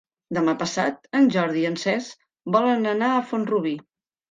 Demà passat en Jordi i en Cesc volen anar a Font-rubí.